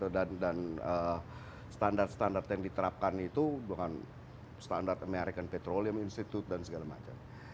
dan standar standar yang diterapkan itu bukan standar american petroleum institute dan segala macam